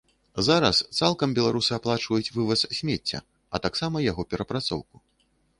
Зараз цалкам беларусы аплачваюць вываз смецця, а таксама яго перапрацоўку.